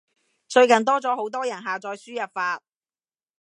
最近多咗好多人下載輸入法